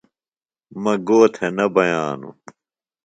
مہ گو تھےۡ نہ بئانوۡ۔